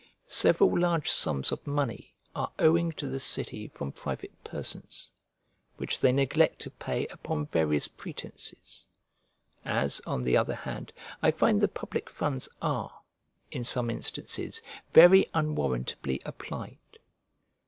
Several large sums of money are owing to the city from private persons, which they neglect to pay upon various pretences; as, on the other hand, I find the public funds are, in some instances, very unwarrantably applied.